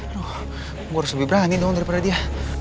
aduh gue harus lebih berani dong daripada dia